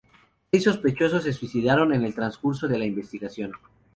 Seis sospechosos se suicidaron en el transcurso de la investigación.